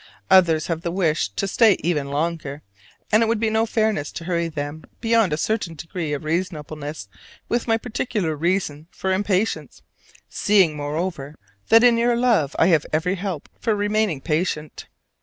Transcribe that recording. Others have the wish to stay even longer, and it would be no fairness to hurry them beyond a certain degree of reasonableness with my particular reason for impatience, seeing, moreover, that in your love I have every help for remaining patient.